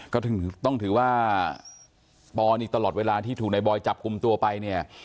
ก็ต้องถือว่าปอนี่ตลอดเวลาที่ถูกนายบอยจับกลุ่มตัวไปเนี่ย